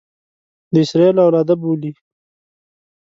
د اسراییلو اولاده بولي.